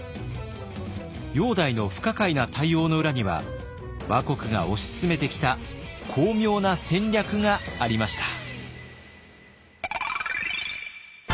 煬帝の不可解な対応の裏には倭国が推し進めてきた巧妙な戦略がありました。